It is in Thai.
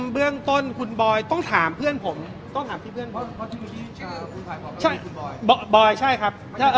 เบื้องต้นคุณบอยต้องถามเพื่อนผมต้องถามพี่เพื่อนบอยใช่ครับ